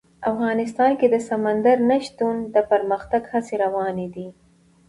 افغانستان کې د سمندر نه شتون د پرمختګ هڅې روانې دي.